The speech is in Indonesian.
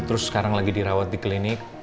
terus sekarang lagi dirawat di klinik